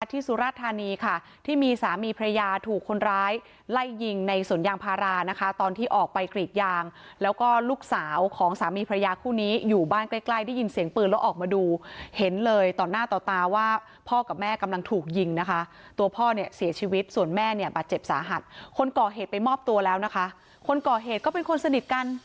สุรธานีค่ะที่มีสามีพระยาถูกคนร้ายไล่ยิงในสวนยางพารานะคะตอนที่ออกไปกรีดยางแล้วก็ลูกสาวของสามีพระยาคู่นี้อยู่บ้านใกล้ใกล้ได้ยินเสียงปืนแล้วออกมาดูเห็นเลยต่อหน้าต่อตาว่าพ่อกับแม่กำลังถูกยิงนะคะตัวพ่อเนี่ยเสียชีวิตส่วนแม่เนี่ยบาดเจ็บสาหัสคนก่อเหตุไปมอบตัวแล้วนะคะคนก่อเหตุก็เป็นคนสนิทกัน